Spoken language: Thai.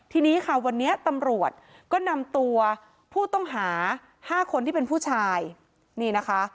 ทีนี้ค่ะวันนี้ตำรวจก็นำตัวผู้ต้องหา๕คนที่เป็นผู้ชายนี่นะคะ